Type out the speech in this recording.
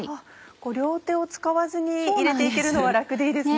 両手を使わずに入れて行けるのは楽でいいですね。